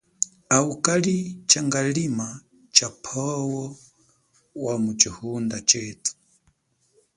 Awu kali changalima cha phowo wamu chihunda chethu.